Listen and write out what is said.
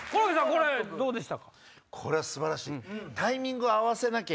これどうでした？